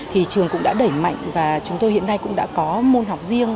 thì trường cũng đã đẩy mạnh và chúng tôi hiện nay cũng đã có môn học riêng